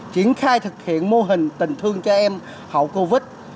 triển khai thực hiện mô hình tình thương cho em hậu covid